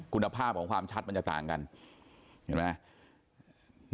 คุณภาพของความชัดมันจะต่างกันเห็นไหม